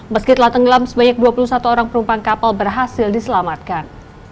meski telah tenggelam sebanyak dua puluh satu orang penumpang kapal berhasil diselamatkan